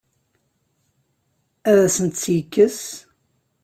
Ad asent-tt-yekkes?